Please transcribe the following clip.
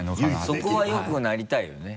そこは良くなりたいよね。